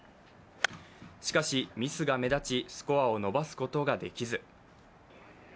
しかし、ミスが目立ち、スコアを伸ばすことができず。